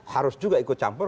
harus juga ikut campur